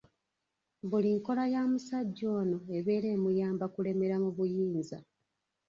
Mbuli nkola ya musajja ono ebeera emuyamba kulemera mu buyinza.